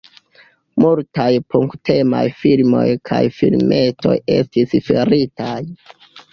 Multaj punk-temaj filmoj kaj filmetoj estis faritaj.